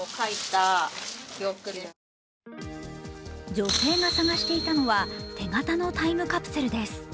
女性が探していたのは手形のタイムカプセルです。